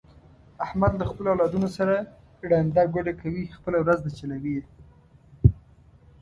احمد له خپلو اولادونو سره ړنده ګوډه کوي، خپله ورځ ده چلوي یې.